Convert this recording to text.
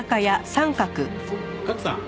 賀来さん